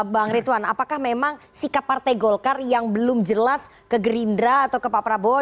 bang ritwan apakah memang sikap partai golkar yang belum jelas ke gerindra atau ke pak prabowo